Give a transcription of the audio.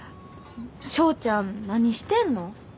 翔ちゃん何してんの？